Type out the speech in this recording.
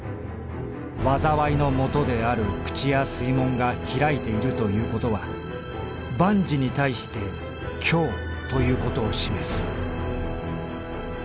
禍の元である口や水門が開いているということは万事に対して『凶』ということを示す」。